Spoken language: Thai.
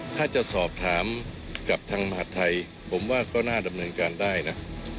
ถ้าจะสอบถามกับทางมหาดไทยผมว่าก็น่าดำเนินการได้นะ